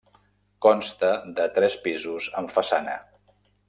Consta de tres pisos en façana.